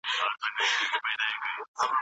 هغوی به وړاندې لاړ سي.